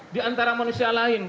di antara manusia lain